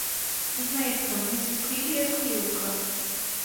Inkweto ntizikwiriye kwiruka.